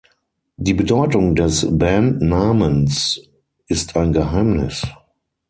Die Bedeutung des Bandnamens ist ein Geheimnis.